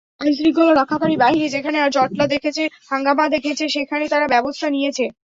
আইনশৃঙ্খলা রক্ষাকারী বাহিনী যেখানে জটলা দেখেছে, হাঙ্গামা দেখেছে, সেখানে তারা ব্যবস্থা নিয়েছে।